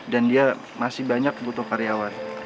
dan dia masih banyak butuh karyawan